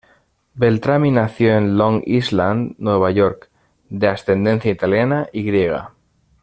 Beltrami nació en Long Island, Nueva York, de ascendencia italiana y griega.